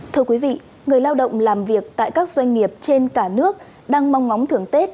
thưa quý vị người lao động làm việc tại các doanh nghiệp trên cả nước đang mong ngóng thưởng tết